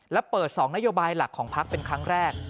และเปิด๒นโยบายหลักของพักเป็นครั้งแรก